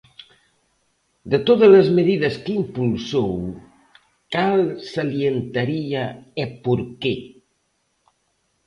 De todas as medidas que impulsou, cal salientaría e por que?